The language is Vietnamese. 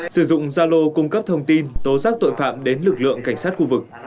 sử dụng gia lô cung cấp thông tin tố giác tội phạm đến lực lượng cảnh sát khu vực